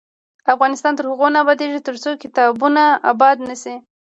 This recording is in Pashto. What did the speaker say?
افغانستان تر هغو نه ابادیږي، ترڅو کتابتونونه اباد نشي.